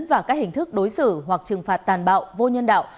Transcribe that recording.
và các hình thức đối xử hoặc trừng phạt tàn bạo vô nhân đạo